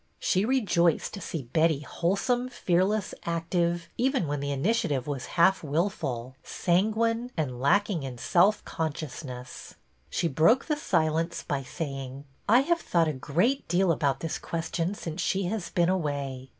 She rejoiced to see Betty whole some, fearless, active, even when the initiative was half wilful, sanguine, and lacking in self consciousness. She broke the silence by saying: I have thought a great deal about this ques tion since she has been away.